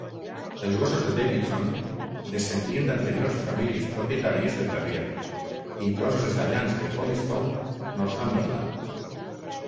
Els gossos de Davidson descendien d'anteriors famílies propietàries de terrier, inclosos els Allans de Holystone, Northumberland.